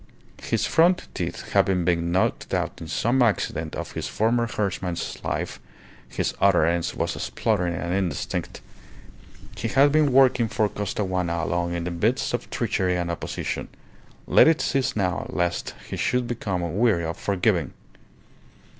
His front teeth having been knocked out in some accident of his former herdsman's life, his utterance was spluttering and indistinct. He had been working for Costaguana alone in the midst of treachery and opposition. Let it cease now lest he should become weary of forgiving!